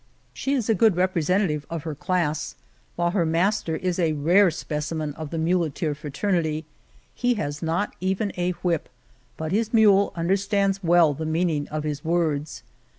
She is a good representative of her class, while her master 76 The Cave of Montesinos "^^ 'S. is a rare specimen of the muleteer fraternity. He has not even a whip, but his mule under stands well the mean ing of his words.